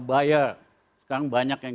bayar sekarang banyak yang